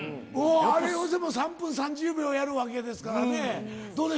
あれをでも３分３０秒やるわけですからね。